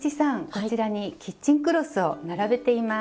こちらにキッチンクロスを並べています。